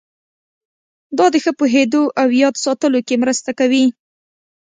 دا د ښه پوهېدو او یاد ساتلو کې مرسته کوي.